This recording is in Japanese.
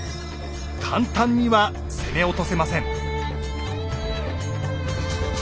簡単には攻め落とせません。